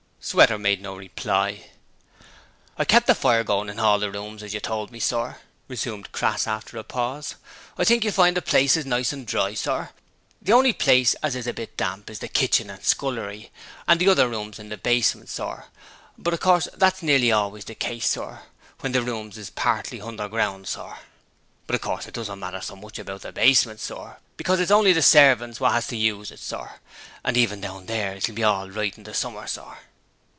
Sweater made no reply. 'I've kept the fire agoin' in hall the rooms has you told me, sir,' resumed Crass after a pause. 'I think you'll find as the place is nice and dry, sir; the honly places as is a bit damp is the kitchen and scullery and the other rooms in the basement, sir, but of course that's nearly halways the case, sir, when the rooms is partly hunderground, sir. 'But of course it don't matter so much about the basement, sir, because it's honly the servants what 'as to use it, sir, and even down there it'll be hall right hin the summer, sir.'